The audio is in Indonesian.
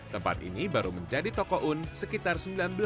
tempat ini baru menjadi toko un sekitar seribu sembilan ratus delapan puluh